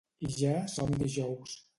I ja som dijous